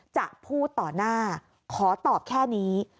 จะพูดต่อหน้าขอตอบแค่นี้